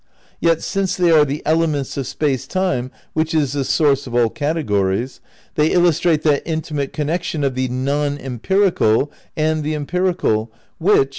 Yet since they are the ele ments of Space Time which is the source of all categories, they illustrate that intimate connection of the non empirical and the em pirical which.